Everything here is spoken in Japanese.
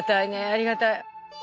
ありがたい！